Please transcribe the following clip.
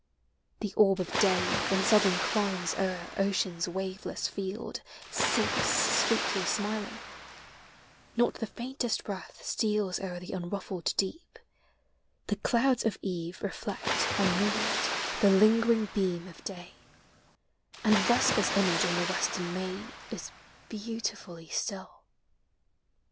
The orb of day In southern climes o'er ocean's waveless field Sinks sweetly smiling: not the faintest breath Steals o'er the unruffled deep; the clouds oi eve Reflect unmoved the lingering beam ol daj J \,,d vesper's image on the western mam Is beautifully still.